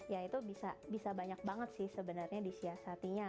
ya itu bisa banyak banget sih sebenarnya disiasatinya